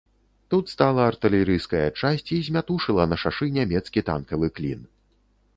Тут стала артылерыйская часць і змятушыла на шашы нямецкі танкавы клін.